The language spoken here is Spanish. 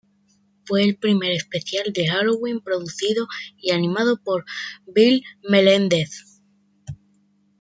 Fue el primer especial de Halloween producido y animado por Bill Melendez.